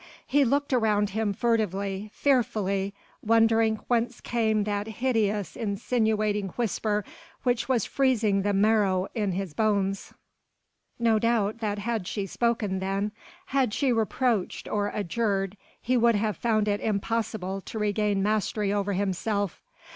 He looked around him furtively, fearfully, wondering whence came that hideous, insinuating whisper which was freezing the marrow in his bones. No doubt that had she spoken then, had she reproached or adjured, he would have found it impossible to regain mastery over himself.